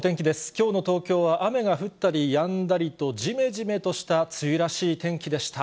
きょうの東京は雨が降ったりやんだりと、じめじめとした梅雨らしい天気でした。